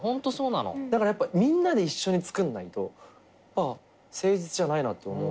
だからやっぱみんなで一緒に作んないと誠実じゃないなって思う。